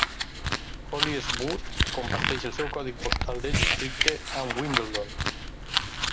Colliers Wood comparteix el seu codi postal de districte amb Wimbledon.